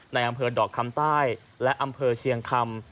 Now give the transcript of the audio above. ในอำเภอดอกคำใต้และอำเภอเชียงคำ